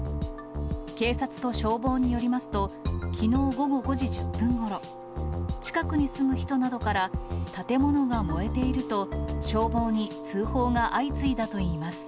警察と消防によりますと、きのう午後５時１０分ごろ、近くに住む人などから、建物が燃えていると、消防に通報が相次いだといいます。